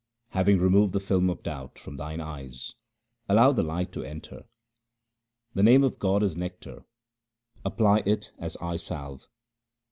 Having removed the film of doubt from thine eyes allow the light to enter. The name of God is nectar ; apply it as eye salve.